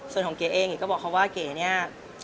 ส่วนของเก๋เองก็บอกว่าเก๋เนี่ย